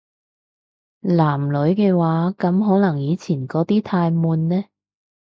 男女嘅話，噉可能以前嗰啲太悶呢